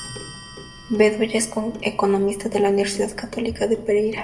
Bedoya es economista de la Universidad Católica de Pereira.